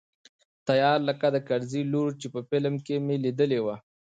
تيار لکه د کرزي لور چې په فلم کښې مې ليدلې وه.